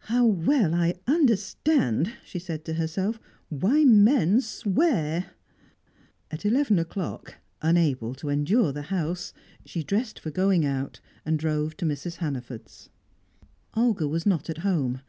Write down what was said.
"How well I understand," she said to herself, "why men swear!" At eleven o'clock, unable to endure the house, she dressed for going out, and drove to Mrs. Hannaford's. Olga was not at home.